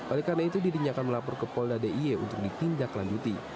oleh karena itu didinyakan melapor ke polda d i e untuk ditindak lanjuti